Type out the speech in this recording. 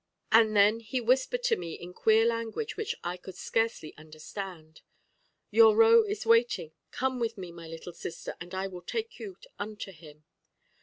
and then he whispered to me in queer language, which I could scarcely understand, 'Your ro is waiting; come with me, my little sister, and I will take you unto him.'